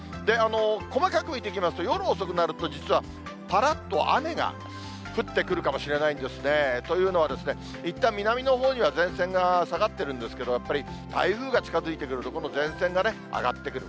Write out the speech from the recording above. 細かく見ていきますと、夜遅くなると、実はぱらっと雨が、降ってくるかもしれないんですね。というのは、いったん南のほうには、前線が下がってるんですけど、やっぱり台風が近づいてくると、この前線が上がってくる。